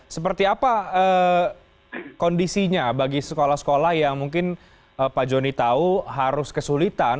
seperti apa kondisinya bagi sekolah sekolah yang mungkin pak joni tahu harus kesulitan